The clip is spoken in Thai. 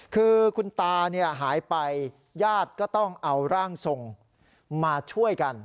คือคุณตาหายไปญาติก็ต้องเอาร่างทรงมาช่วยกัน